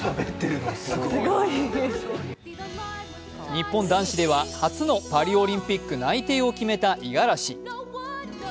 日本男子では初のパリオリンピック内定を決めた五十嵐。